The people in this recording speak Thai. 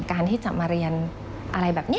การที่จะมาเรียนอะไรแบบนี้